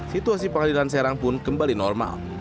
situasi pengadilan serang pun kembali normal